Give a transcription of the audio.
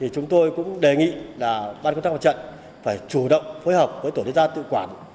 chúng tôi cũng đề nghị là ban công tác mặt trận phải chủ động phối hợp với tổ liên gia tự quản